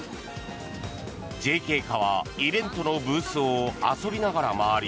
ＪＫ課はイベントのブースを遊びながら回り